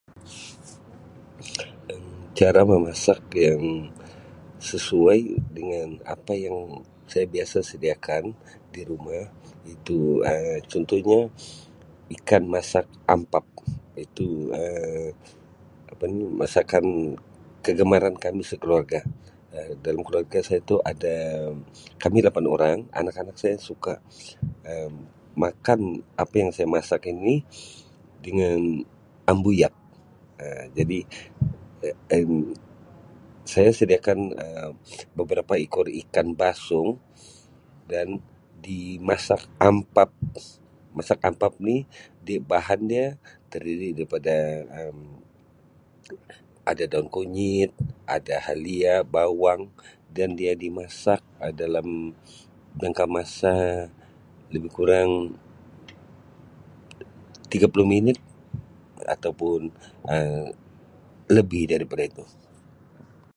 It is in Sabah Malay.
Um Cara memasak yang sesuai dengan apa yang saya biasa sedia kan di rumah iaitu Um contohnya ikan masak ampap iaitu Um apa ni masakan kegemaran kami sekeluarga Um dalam keluarga satu ada kami lapan orang anak-anak saya suka Um makan apa yang saya masak ini dengan ambuyat Um jadi Um saya sediakan Um beberapa ekor ikan basung dan dimasak ampap masak ampap ni di bahan dia terdiri daripada Um ada daun kunyit ada halia bawang dan dia dimasak Um dalam jangka masa lebih kurang tiga puluh minit atau pun Um lebih daripada itu.